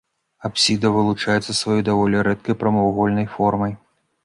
Апсіда вылучаецца сваёй даволі рэдкай прамавугольнай формай.